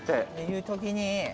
いう時に。